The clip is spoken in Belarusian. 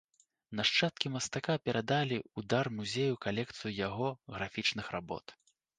Нашчадкі мастака перадалі ў дар музею калекцыю яго графічных работ.